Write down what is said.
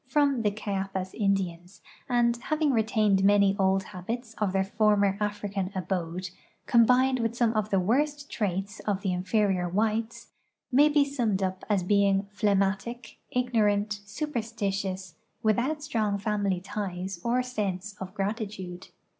from the Cayapas Indians, and, having retained many old habits of their former African abode, combined with some of the worst traits of the in ferior whites, may be summed up as being phlegmatic, ignorant, superstitious, without strong family ties or sense of gratitude.